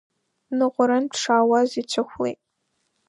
Ныҟәарантә дшаауаз ицәыхәлеит.